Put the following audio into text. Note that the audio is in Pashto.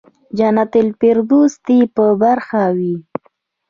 جنت الفردوس دې په برخه وي.